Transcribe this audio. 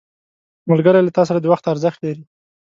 ملګری له تا سره د وخت ارزښت لري